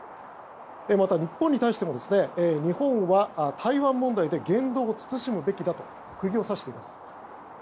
また、日本に対しても日本は台湾問題で言動を慎むべきだと釘を刺しています。